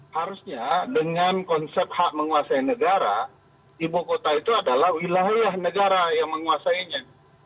harusnya dengan konsep hak menguasai negara ibu kota itu adalah wilayah wilayah negara yang menguasainya